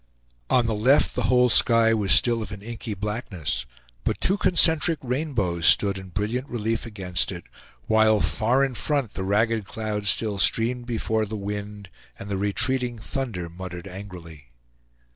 On the left the whole sky was still of an inky blackness; but two concentric rainbows stood in brilliant relief against it, while far in front the ragged cloud still streamed before the wind, and the retreating thunder muttered angrily.